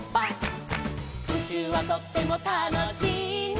「うちゅうはとってもたのしいな」